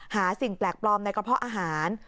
สิ่งแปลกปลอมในกระเพาะอาหาร